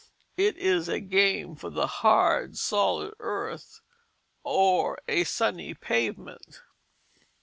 It is a game for the hard, solid earth, or a sunny pavement.